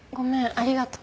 ありがとう。